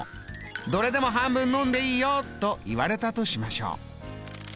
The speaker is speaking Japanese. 「どれでも半分飲んでいいよ」と言われたとしましょう。